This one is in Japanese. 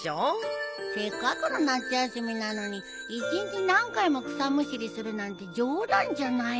せっかくの夏休みなのに一日何回も草むしりするなんて冗談じゃないよ。